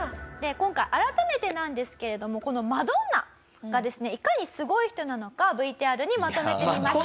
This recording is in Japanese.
今回改めてなんですけれどもこのマドンナがですねいかにすごい人なのかＶＴＲにまとめてみました。